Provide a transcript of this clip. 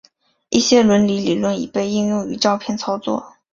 一些伦理理论已被应用于照片操作。